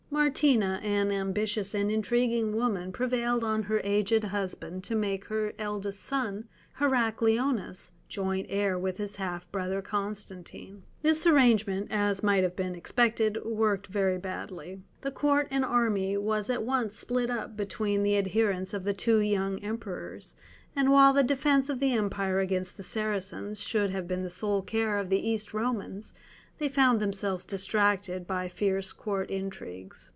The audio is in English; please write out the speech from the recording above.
Martina, an ambitious and intriguing woman, prevailed on her aged husband to make her eldest son, Heracleonas, joint heir with his half brother Constantine. This arrangement, as might have been expected, worked very badly. The court and army was at once split up between the adherents of the two young Emperors, and while the defence of the empire against the Saracens should have been the sole care of the East Romans, they found themselves distracted by fierce Court intrigues.